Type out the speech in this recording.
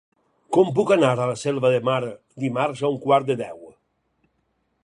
Com puc anar a la Selva de Mar dimarts a un quart de deu?